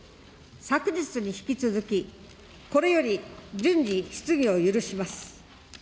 昨日に引き続き、これより順次、質疑を許します。